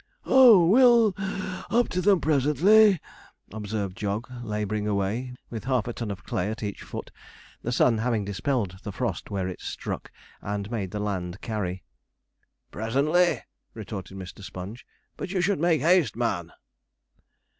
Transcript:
'Oh, we'll (puff) up to them presently,' observed Jog, labouring away, with half a ton of clay at each foot, the sun having dispelled the frost where it struck, and made the land carry. 'Presently!' retorted Mr. Sponge. 'But you should make haste, man.'